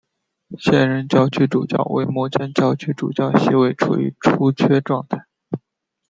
现任教区主教为目前教区主教席位处于出缺状态。